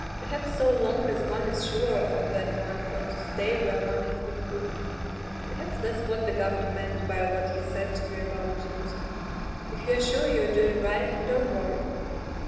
Perhaps so long as one is sure of that one ought to stay where one has been put. Perhaps that's what the Governor meant by what he said to you about duty — if you're sure you're doing right you don't worry."